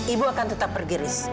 ibu akan tetap pergi riz